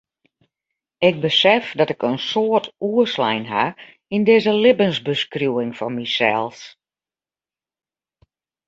Ik besef dat ik in soad oerslein ha yn dizze libbensbeskriuwing fan mysels.